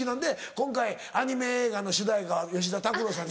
今回アニメ映画の主題歌は吉田拓郎さん。